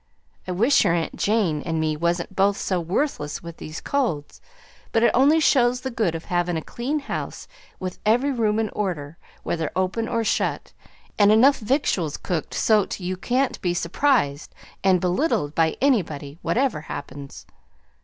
I wish your aunt Jane and me wasn't both so worthless with these colds; but it only shows the good of havin' a clean house, with every room in order, whether open or shut, and enough victuals cooked so 't you can't be surprised and belittled by anybody, whatever happens.